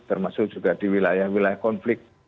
termasuk juga di wilayah wilayah konflik